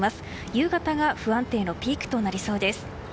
夕方が不安定のピークとなりそうです。